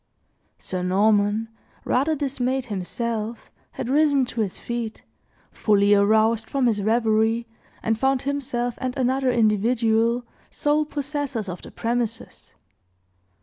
Sir Norman, rather dismayed himself, had risen to his feet, fully aroused from his reverie, and found himself and another individual sole possessors of the premises.